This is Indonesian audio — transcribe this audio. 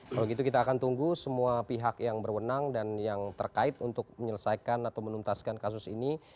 kalau gitu kita akan tunggu semua pihak yang berwenang dan yang terkait untuk menyelesaikan atau menuntaskan kasus ini